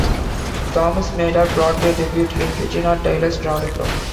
Thoms made her Broadway debut in Regina Taylor's "Drowning Crow".